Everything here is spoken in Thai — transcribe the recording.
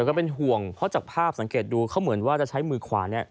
ก็เป็นห่วงเพราะจากภาพสังเกตดูเขาเหมือนว่าจะใช้มือขวาเนี่ย